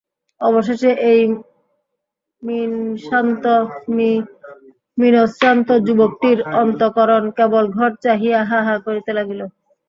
অবশেষে এই মিণশ্রান্ত যুবকটির অন্তঃকরণ কেবল ঘর চাহিয়া হা হা করিতে লাগিল।